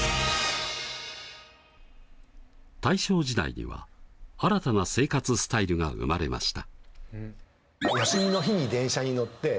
大正時代には新たな生活スタイルが生まれました。